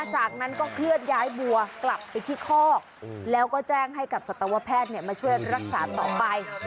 จากนั้นก็เคลื่อนย้ายบัวกลับไปที่คอกแล้วก็แจ้งให้กับสัตวแพทย์มาช่วยรักษาต่อไป